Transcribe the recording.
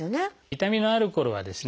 痛みのあるころはですね